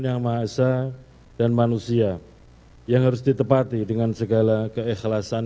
yang maha esa dan manusia yang harus ditepati dengan segala keikhlasan